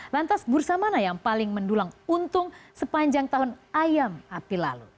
lantas bursa mana yang paling mendulang untung sepanjang tahun ayam api lalu